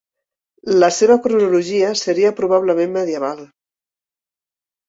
La seva cronologia seria probablement medieval.